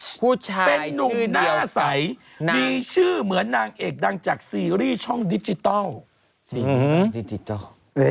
เป็นนุ่งหน้าใสมีชื่อเหมือนนางเอกดังจากซีรีส์ช่องดิจิตอล